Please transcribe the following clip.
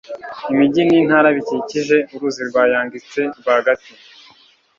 Imijyi n'intara bikikije uruzi rwa Yangtze rwagati